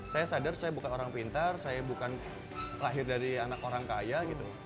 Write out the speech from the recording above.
saya sadar saya bukan orang pintar saya bukan lahir dari anak orang kaya gitu